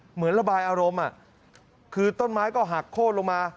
เหมือนระบายอารมณ์คือต้นไม้ก็หักโค้นลงมา